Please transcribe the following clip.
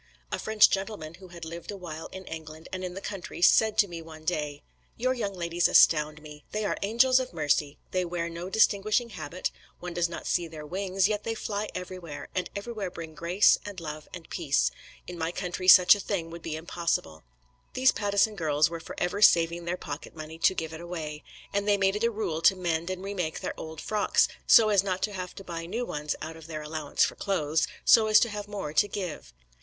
A French gentleman who had lived a while in England and in the country, said to me one day: "Your young ladies astound me. They are angels of mercy. They wear no distinguishing habit; one does not see their wings, yet they fly everywhere, and everywhere bring grace and love and peace in my country such a thing would be impossible." These Pattison girls were for ever saving their pocket money to give it away, and they made it a rule to mend and remake their old frocks, so as not to have to buy new ones out of their allowance for clothes, so as to have more to give.